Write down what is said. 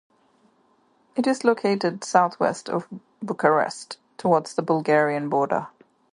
It is located south-west of Bucharest, towards the Bulgarian border.